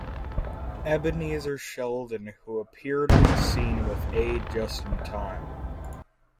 Ebenezer Sheldon, who appeared on the scene with aid just in time.